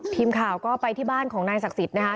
ทีมข่าวก็ไปที่บ้านของนายศักดิ์สิทธิ์นะคะ